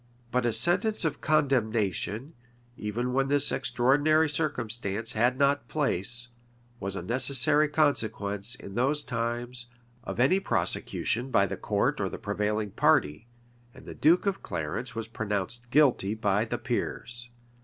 But a sentence of condemnation, even when this extraordinary circumstance had not place, was a necessary consequence, in those times, of any prosecution by the court or the prevailing party; and the duke of Clarence was pronounced guilty by the peers.